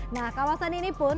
nah kawasan ini pun